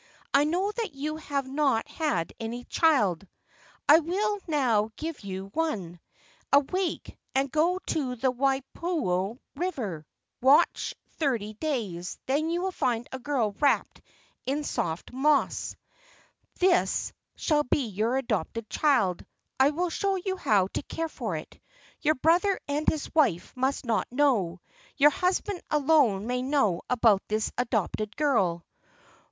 "I know that you have not had any child. I will now give you one. Awake, and go to the Waipio River; watch thirty days, then you will find a girl wrapped in soft moss. This t Metrosideros rugosa. * Haliseris plagiogramma. 38 LEGENDS OF GHOSTS shall be your adopted child. I will show you how to care for it. Your brother and his wife must not know. Your husband alone may know about this adopted girl."